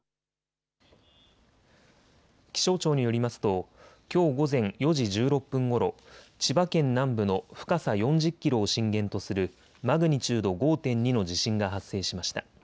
気象庁によりますと、きょう午前４時１６分ごろ、千葉県南部の深さ４０キロを震源とするマグニチュード５．２の地震が発生しました。